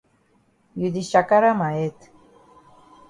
You di chakara ma head.